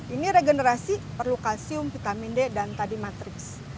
ini regenerasi perlu kalsium vitamin d dan tadi matrix